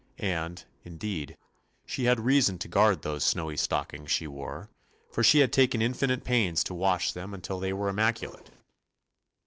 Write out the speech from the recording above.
And, in deed, she had reason to guard those snowy stockings she wore, for she had taken infinite pains to wash them until they were immaculate.